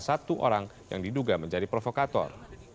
satu orang yang diduga menjadi provokator